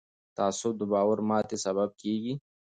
تعصب د باور ماتې سبب کېږي